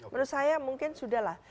menurut saya mungkin sudah lah